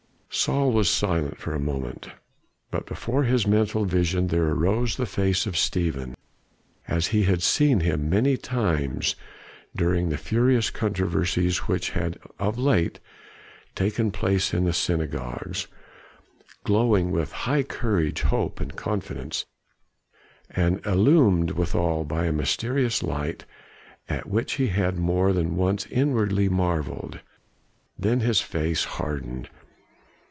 '" Saul was silent for a moment. Before his mental vision there arose the face of Stephen, as he had seen him many times during the furious controversies which had of late taken place in the synagogues, glowing with high courage, hope and confidence, and illumined withal by a mysterious light at which he had more than once inwardly marveled. Then his face hardened.